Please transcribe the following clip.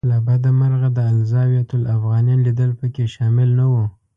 له بده مرغه د الزاویة الافغانیه لیدل په کې شامل نه و.